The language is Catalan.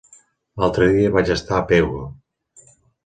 L'altre dia vaig estar a Pego.